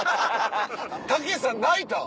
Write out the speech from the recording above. たけしさん泣いたん？